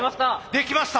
できました！